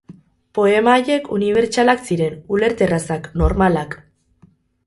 Poema haiek unibertsalak ziren, ulerterrazak, normalak.